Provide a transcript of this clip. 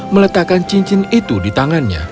meletakkan cincin itu di tangannya